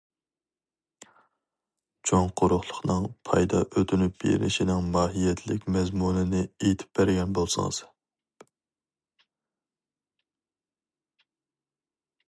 چوڭ قۇرۇقلۇقنىڭ پايدا ئۆتۈنۈپ بېرىشىنىڭ ماھىيەتلىك مەزمۇنىنى ئېيتىپ بەرگەن بولسىڭىز.